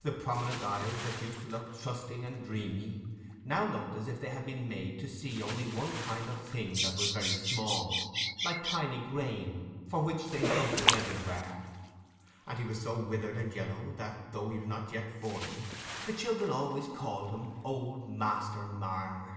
The prominent eyes that used to look trusting and dreamy, now looked as if they had been made to see only one kind of thing that was very small, like tiny grain, for which they hunted everywhere: and he was so withered and yellow, that, though he was not yet forty, the children always called him "Old Master Marner".